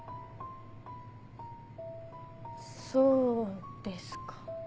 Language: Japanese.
そうですか。